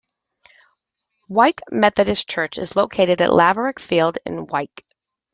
Wyke Methodist Church is located at Laverack Field in Wyke.